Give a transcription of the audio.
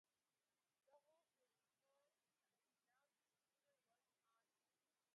د غور فیروزکوه د اسیا تر ټولو لوړ ښار و